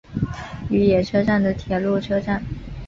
与野车站的铁路车站。